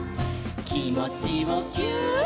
「きもちをぎゅーっ」